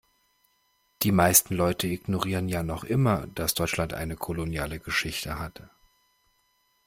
Die meisten Leute ignorieren ja noch immer, dass Deutschland eine koloniale Geschichte hat.